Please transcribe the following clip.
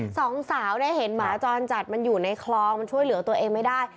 สองสาวเนี่ยเห็นหมาจรจัดมันอยู่ในคลองมันช่วยเหลือตัวเองไม่ได้